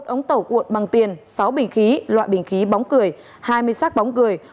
một ống tẩu cuộn bằng tiền sáu bình khí loại bình khí bóng cười hai mươi xác bóng cười